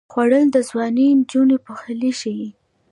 خوړل د ځوانې نجونې پخلی ښيي